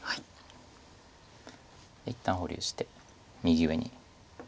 一旦保留して右上に。